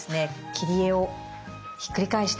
切り絵をひっくり返して。